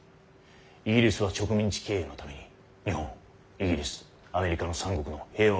イギリスは植民地経営のために日本イギリスアメリカの三国の平和を維持したいだけのことだ。